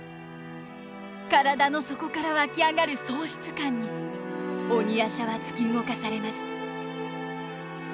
体の底から湧き上がる喪失感に鬼夜叉は突き動かされます。